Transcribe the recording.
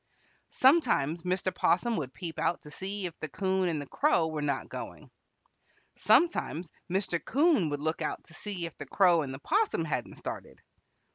Sometimes Mr. 'Possum would peep out to see if the 'Coon and the Crow were not going. Sometimes Mr. 'Coon would look out to see if the Crow and the 'Possum hadn't started.